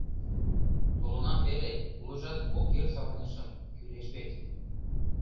— Толынам веле, улыжат кок йыр савырнышым, кӱлеш вет...